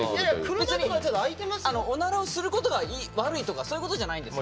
別におならをすることが悪いとかそういうことじゃないんです。